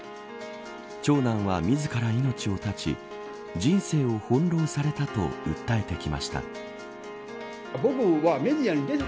長男は自ら命を絶ち人生を翻弄されたと訴えてきました。